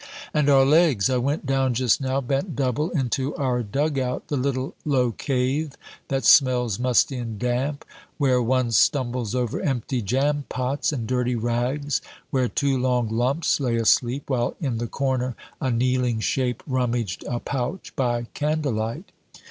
And our legs! I went down just now, bent double, into our dug out, the little low cave that smells musty and damp, where one stumbles over empty jam pots and dirty rags, where two long lumps lay asleep, while in the corner a kneeling shape rummaged a pouch by candle light.